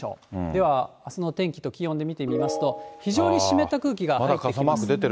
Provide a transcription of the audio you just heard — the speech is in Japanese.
では、あすの天気と気温で見てみますと、非常に湿った空気が。